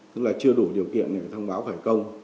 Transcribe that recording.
tức là chưa đủ điều kiện để thông báo phải công